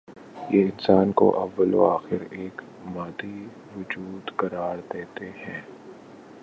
یہ انسان کو اوّ ل و آخر ایک مادی وجود قرار دیتے ہیں۔